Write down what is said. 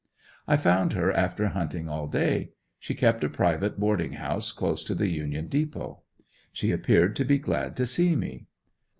I found her after hunting all day; she kept a private boarding house close to the Union depot. She appeared to be glad to see me.